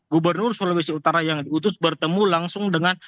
gubernur sulawesi utara yang diutus bertemu langsung dengan